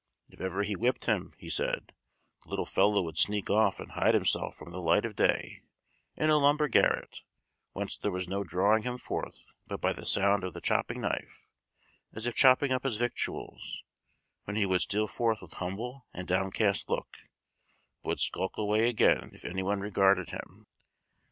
If ever he whipped him, he said, the little fellow would sneak off and hide himself from the light of day, in a lumber garret, whence there was no drawing him forth but by the sound of the chopping knife, as if chopping up his victuals, when he would steal forth with humble and downcast look, but would skulk away again if any one regarded him.